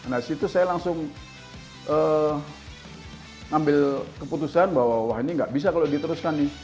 di situ saya langsung mengambil keputusan bahwa ini tidak bisa diteruskan